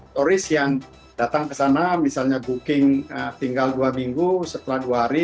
turis yang datang ke sana misalnya booking tinggal dua minggu setelah dua hari